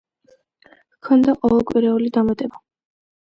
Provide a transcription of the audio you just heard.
ჰქონდა ყოველკვირეული დამატება.